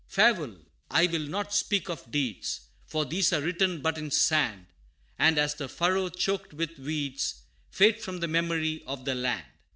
"Farewell! I will not speak of deeds, For these are written but in sand And, as the furrow choked with weeds, Fade from the memory of the land.